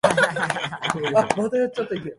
石川県能美市